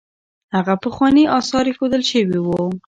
هلته پخواني اثار ایښودل شوي وو.